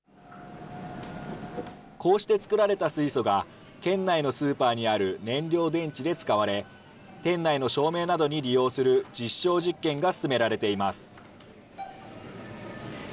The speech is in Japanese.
こうして作られた水素が、県内のスーパーにある燃料電池で使われ、店内の照明などに利用する実証実験が進められています。